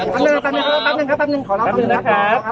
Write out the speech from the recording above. สวัสดีครับ